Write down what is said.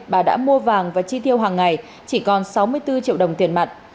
bà đã mua vàng và chi tiêu hàng ngày chỉ còn sáu mươi bốn triệu đồng tiền mặt